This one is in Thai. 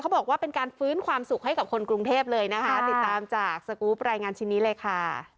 บอกว่าเป็นการฟื้นความสุขให้กับคนกรุงเทพเลยนะคะติดตามจากสกรูปรายงานชิ้นนี้เลยค่ะ